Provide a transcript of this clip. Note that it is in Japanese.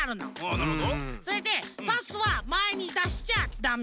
それでパスはまえにだしちゃダメ。